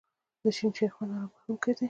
د شین چای خوند آرام بښونکی دی.